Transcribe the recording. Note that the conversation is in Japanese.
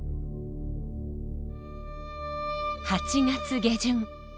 ８月下旬。